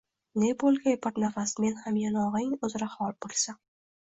Na bo’lg’ay bir nafas men ham yonog’ing uzra xol bo’lsam